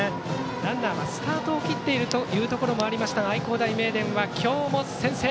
ランナーはスタートを切っているというところもありましたが愛工大名電は今日も先制。